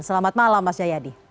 selamat malam mas jayadi